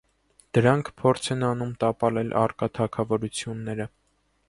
Դրանք փորձ են անում տապալել առկա թագավորությունները։